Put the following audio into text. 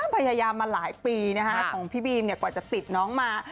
พยายามมาหลายปีของพี่บีมกว่าจะติดน้องมา